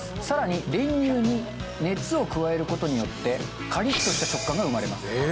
更に練乳に熱を加える事によってカリッとした食感が生まれます。